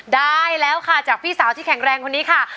ได้แล้วค่ะจากพี่สาวที่แข็งแรงคนนี้ค่ะ